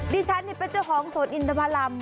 ดิฉันเนี่ยเป็นเจ้าของโสนอินทรมารัมศ์